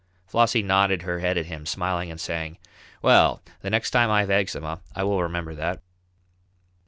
Flossie nodded her head at him, smiling and saying: "Well, the next time I have eczema I will remember that."